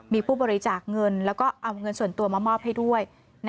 มีผู้บริจาคเงินแล้วก็เอาเงินส่วนตัวมามอบให้ด้วย